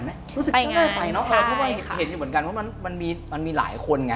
รู้สึกก็ได้ไปเนอะเพราะมันมีหลายคนไง